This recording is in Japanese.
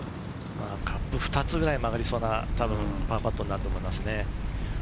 カップ２つぐらい曲がりそうなパーパットになると思います。